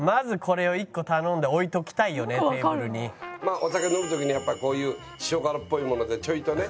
お酒飲む時にやっぱりこういう塩辛っぽいものでちょいとね